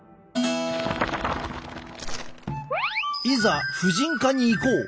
いざ婦人科に行こう！